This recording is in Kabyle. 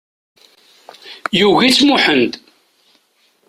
Yugi-tt Muḥend.